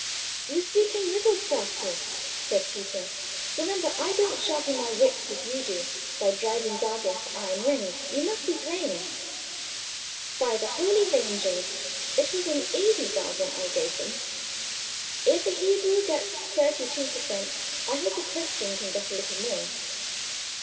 "You speak in riddles, Bratti," said Tito. "Remember, I don't sharpen my wits, as you do, by driving hard bargains for iron rings: you must be plain." "By the Holy 'Vangels! it was an easy bargain I gave them. If a Hebrew gets thirty two per cent, I hope a Christian may get a little more.